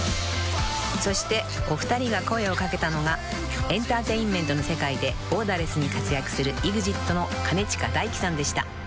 ［そしてお二人が声を掛けたのがエンターテインメントの世界でボーダーレスに活躍するＥＸＩＴの兼近大樹さんでした］